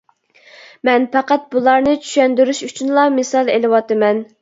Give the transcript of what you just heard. مەن پەقەت بۇلارنى چۈشەندۈرۈش ئۈچۈنلا مىسال ئېلىۋاتىمەن.